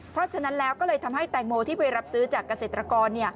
เพราะฉะนั้นแล้วก็เลยทำให้แตงโมที่ไปรับซื้อจากเกษตรกร